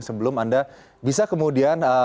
sebelum anda bisa kemudian